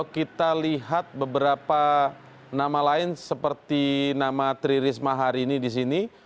kita lihat beberapa nama lain seperti nama tri risma hari ini di sini